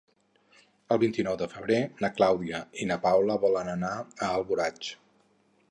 El vint-i-nou de febrer na Clàudia i na Paula volen anar a Alboraig.